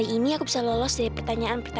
enggak sekarang juga